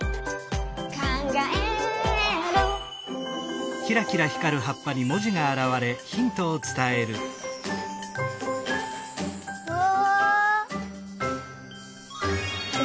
「かんがえる」うわ！